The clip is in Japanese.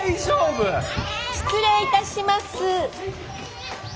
失礼いたします。